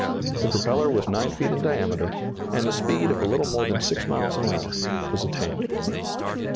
The propeller was 9 feet in diameter, and a speed of a little more than 6 miles an hour was attained.